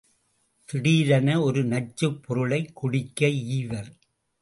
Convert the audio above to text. திடீரென ஒரு நஞ்சுப் பொருளைக் குடிக்க் ஈவர்.